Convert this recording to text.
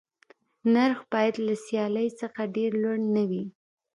نرخ باید له سیالۍ څخه ډېر لوړ نه وي.